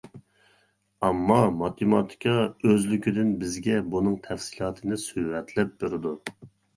ئەمما ماتېماتىكا ئۆزلۈكىدىن بىزگە بۇنىڭ تەپسىلاتىنى سۈرەتلەپ بېرىدۇ.